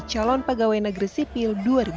calon pegawai negeri sipil dua ribu delapan belas